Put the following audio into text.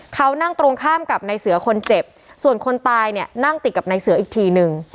เขานั่งตรงข้ามกับในเสือคนเจ็บส่วนคนตายเนี่ยนั่งติดกับนายเสืออีกทีนึง